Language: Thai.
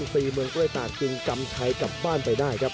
พยายามอีก๔เมืองกล้วยต่างจึงกำชัยกลับบ้านไปได้ครับ